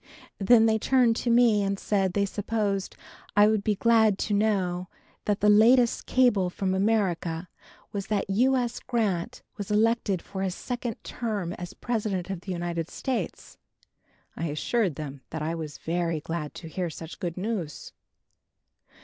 Then they turned to me and said they supposed I would be glad to know that the latest cable from America was that U. S. Grant was elected for his second term as President of the United States. I assured them that I was very glad to hear such good news.